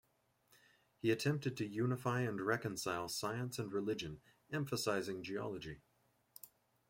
He attempted to unify and reconcile science and religion, emphasizing geology.